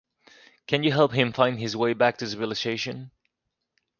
Can you help him find his way back to civilization?